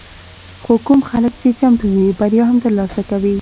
خو کوم خلک چې چمتو وي، بریا هم ترلاسه کوي.